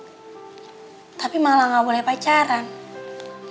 ini kali ya yang gak mungkin berbeda dengan lo nih